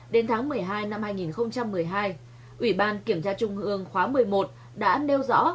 đến tháng một mươi hai năm hai nghìn một mươi hai ủy ban kiểm tra trung ương khóa một mươi một đã nêu rõ